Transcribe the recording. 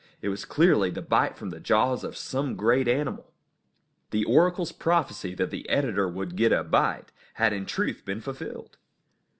It was clearly the bite from the jaws of some great animal. The oracle's prophecy that the editor would get a bite had in truth been fulfilled!